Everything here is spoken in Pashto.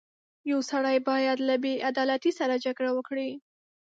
• یو سړی باید له بېعدالتۍ سره جګړه وکړي.